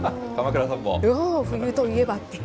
冬といえばっていう。